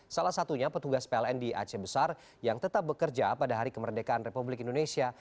salah satunya petugas pln di aceh besar yang tetap bekerja pada hari kemerdekaan republik indonesia